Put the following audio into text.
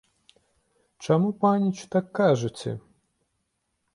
Чаму, паніч, так кажаце?